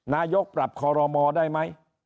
นายกปรับคอรมอได้ไหม